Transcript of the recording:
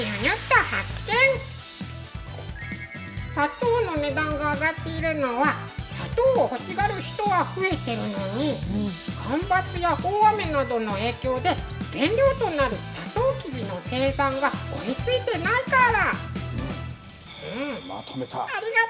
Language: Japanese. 砂糖の値段が上がっているのは砂糖を欲しがる人が増えているのに干ばつや大雨などの影響で原料となるさとうきびの生産が追いついていないから。